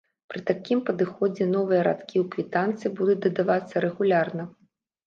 Пры такім падыходзе новыя радкі ў квітанцыі будуць дадавацца рэгулярна.